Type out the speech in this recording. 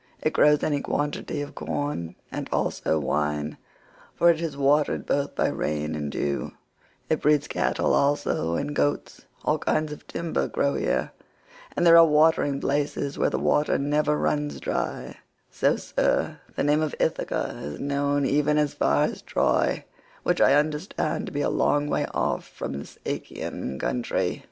It grows any quantity of corn and also wine, for it is watered both by rain and dew; it breeds cattle also and goats; all kinds of timber grow here, and there are watering places where the water never runs dry; so, sir, the name of Ithaca is known even as far as Troy, which I understand to be a long way off from this Achaean country."